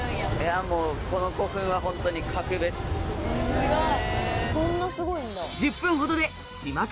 すごい。